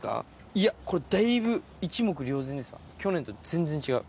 いやこれだいぶ一目瞭然ですわ去年と全然違う。